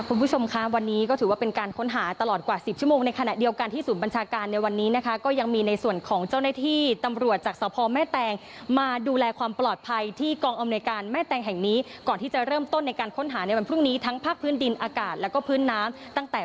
คุณผู้ชมคะวันนี้ก็ถือว่าเป็นการค้นหาตลอดกว่าสิบชั่วโมงในขณะเดียวกันที่ศูนย์บัญชาการในวันนี้นะคะก็ยังมีในส่วนของเจ้าหน้าที่ตำรวจจากสพแม่แตงมาดูแลความปลอดภัยที่กองอำนวยการแม่แตงแห่งนี้ก่อนที่จะเริ่มต้นในการค้นหาในวันพรุ่งนี้ทั้งภาคพื้นดินอากาศแล้วก็พื้นน้ำตั้งแต่